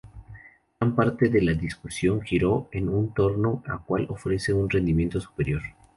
Gran parte de la discusión giró en torno a cual ofrece un rendimiento superior.